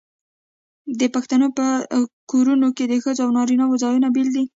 د پښتنو په کورونو کې د ښځو او نارینه وو ځایونه بیل وي.